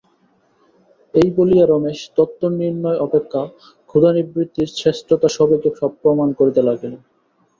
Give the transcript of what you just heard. এই বলিয়া রমেশ তত্ত্বনির্ণয় অপেক্ষা ক্ষুধানিবৃত্তির শ্রেষ্ঠতা সবেগে সপ্রমাণ করিতে লাগিল।